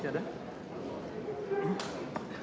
silakan penasih dukung masih ada